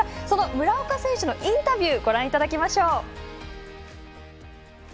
その村岡選手のインタビューご覧いただきます。